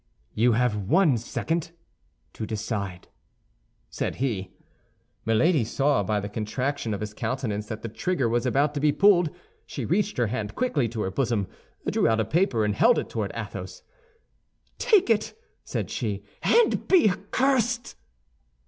"You have one second to decide," said he. Milady saw by the contraction of his countenance that the trigger was about to be pulled; she reached her hand quickly to her bosom, drew out a paper, and held it toward Athos. "Take it," said she, "and be accursed!"